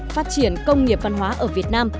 phát triển công nghiệp văn hóa ở việt nam